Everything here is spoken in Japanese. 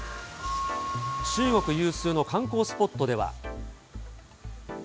中国有数の観光スポットでは。